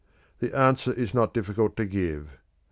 The answer is not difficult to give.